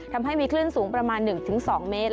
ทำให้มีคลื่นสูงประมาณ๑๒เมตร